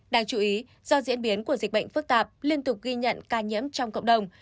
đáng chú ý do diễn biến của dịch bệnh phức tạp liên tục ghi nhận ca nhiễm trong cộng đồng